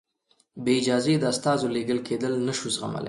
بې اجازې د استازو لېږل کېدل نه شو زغملای.